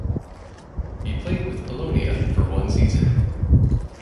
He played with Polonia for one season.